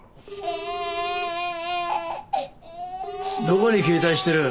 どこに携帯してる。